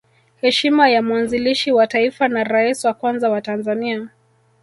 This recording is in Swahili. Heshima ya mwanzilishi wa Taifa na Rais wa kwanza wa Tanzania